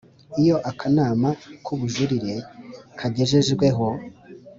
Iyo akanama k ubujurire kagejejweho